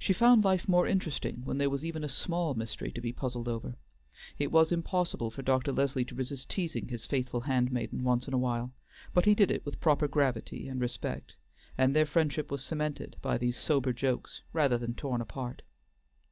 She found life more interesting when there was even a small mystery to be puzzled over. It was impossible for Dr. Leslie to resist teasing his faithful hand maiden once in a while, but he did it with proper gravity and respect, and their friendship was cemented by these sober jokes rather than torn apart.